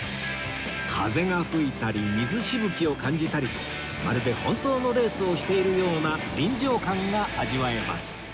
風が吹いたり水しぶきを感じたりとまるで本当のレースをしているような臨場感が味わえます